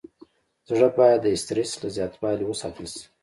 زړه باید د استرس له زیاتوالي وساتل شي.